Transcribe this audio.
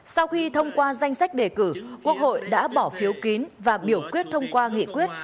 sau khi thông qua danh sách đề cử quốc hội đã bỏ phiếu kín và biểu quyết thông qua nghị quyết